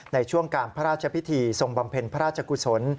ในช่วงการพระราชพิธีทรงบำเพ็ญพระราชกุศล